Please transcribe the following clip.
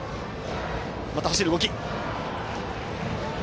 また、走る動き。